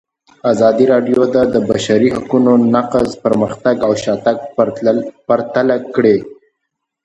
ازادي راډیو د د بشري حقونو نقض پرمختګ او شاتګ پرتله کړی.